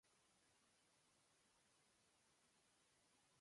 Poslední učitelem byl František Trojan.